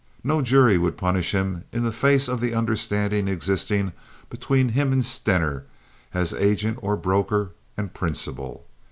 No jury would punish him in the face of the understanding existing between him and Stener as agent or broker and principal.